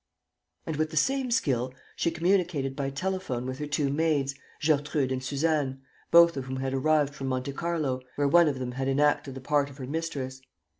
And, with the same skill, she communicated by telephone with her two maids, Gertrude and Suzanne, both of whom had arrived from Monte Carlo, where one of them had enacted the part of her mistress.